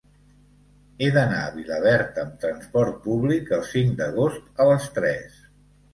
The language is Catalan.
He d'anar a Vilaverd amb trasport públic el cinc d'agost a les tres.